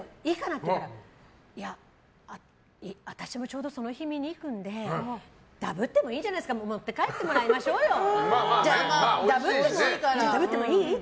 って言うから私もちょうどその日見に行くのでダブってもいいじゃないですか持って帰ってもらいましょうよって。